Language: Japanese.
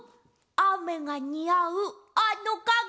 あめがにあうかげ。